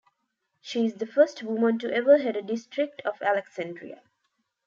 She is the first woman to ever head a district of Alexandria.